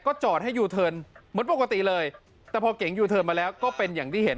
จอดให้ยูเทิร์นเหมือนปกติเลยแต่พอเก๋งยูเทิร์นมาแล้วก็เป็นอย่างที่เห็น